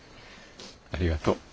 ありがとう。